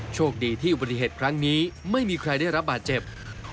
โชคดีที่อุบัติเหตุครั้งนี้ไม่มีใครได้รับบาดเจ็บ